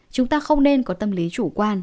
chúng ta không nên có tâm lý chủ quan